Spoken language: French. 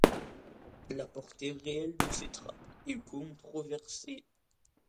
La portée réelle de ces trappes est controversée.